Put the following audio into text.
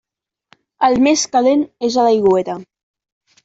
El més calent és a l'aigüera.